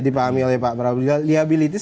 dipahami oleh pak prabowo juga liabilitis